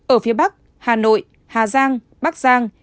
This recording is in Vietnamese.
ở phía bắc hà nội hà giang bắc giang